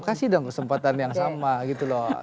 kasih dong kesempatan yang sama gitu loh